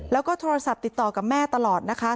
แล้วก็โทรศัพท์ติดต่อกับแม่ตลอดนะคะ